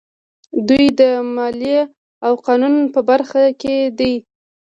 دوی د مالیې او قانون په برخه کې دي.